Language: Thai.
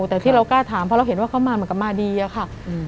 แต่ที่เรากล้าถามเพราะเราเห็นว่าเขามาเหมือนกับมาดีอะค่ะ